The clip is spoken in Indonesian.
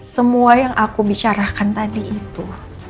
semua yang aku bicarakan tadi itu